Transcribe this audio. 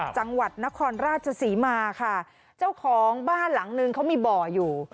จังหวัดนครราชศรีมาค่ะเจ้าของบ้านหลังนึงเขามีบ่ออยู่